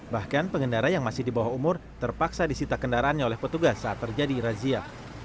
bahkan pengendara yang masih di bawah umur terpaksa disita kendaraannya oleh petugas saat terjadi razia